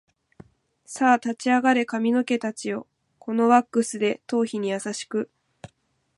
さあ立ち上がれ髪の毛たちよ、このワックスで頭皮に優しく